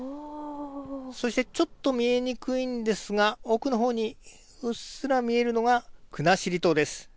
そして、ちょっと見えにくいんですが奥のほうにうっすら見えるのが国後島です。